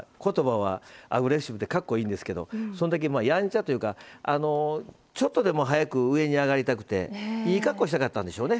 アグレッシブというとかっこいいですがそんだけ、やんちゃというかちょっとでも早く上に上がりたくていい格好したかったんですね